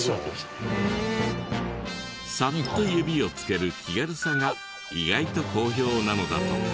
サッと指をつける気軽さが意外と好評なのだとか。